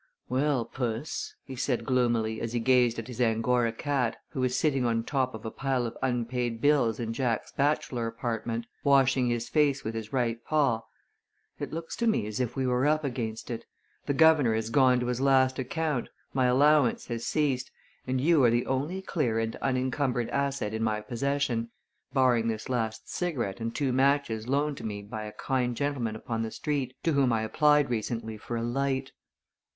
"Well, Puss," he said, gloomily, as he gazed at his Angora cat, who was sitting on top of a pile of unpaid bills in Jack's bachelor apartment, washing his face with his right paw, "it looks to me as if we were up against it. The governor has gone to his last account, my allowance has ceased, and you are the only clear and unencumbered asset in my possession, barring this last cigarette and two matches loaned to me by a kind gentleman upon the street to whom I applied recently for a light."